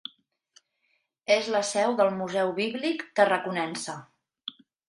És la seu del Museu Bíblic Tarraconense.